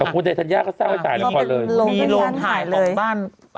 ขอบคุณในธัญญาก็เซ่าให้ใข่เธอยังคอนเลย